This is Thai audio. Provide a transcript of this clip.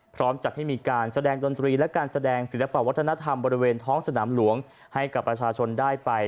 พร้อมจัดให้มีการแสดงดนตรีและการแสดงศิลปะวัฒนธรรมบริเวณท้องสนามหลวงให้กับประชาชนได้ไป